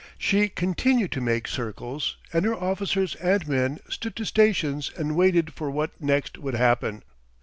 She continued to make circles, and her officers and men stood to stations and waited for what next would happen.